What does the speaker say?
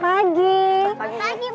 selamat pagi bu guru